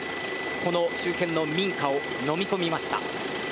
この周辺の民家をのみ込みました。